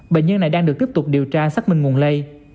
bệnh nhân này đang được tiếp tục điều tra xác minh nguồn lây